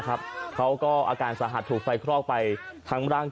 คันเอาลงคันเอาลงคันเอาลง